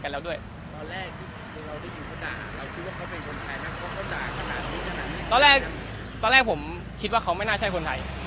ตอนแรกผมคิดว่าเขาไม่น่าใช่คนไทย